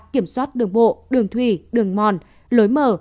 kiểm soát đường bộ đường thủy đường mòn lối mở